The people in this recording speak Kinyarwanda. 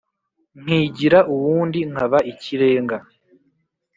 nkigira uwundi nkaba ikirenga